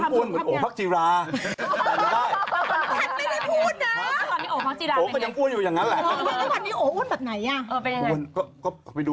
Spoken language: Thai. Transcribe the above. ไม่สิมัยยังไม่จบเลย